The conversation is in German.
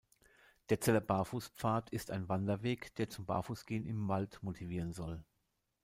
Der "Zeller Barfußpfad" ist ein Wanderweg, der zum Barfußgehen im Wald motivieren soll.